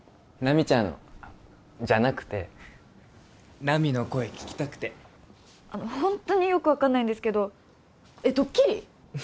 奈未ちゃんじゃなくて奈未の声聞きたくてホントによく分かんないんですけどえっドッキリ？